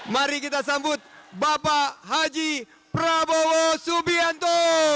mari kita sambut bapak haji prabowo subianto